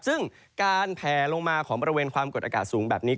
ซึ่งการแผลลงมาของบริเวณความกดอากาศสูงแบบนี้